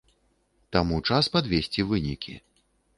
Таму час падвесці вынікі.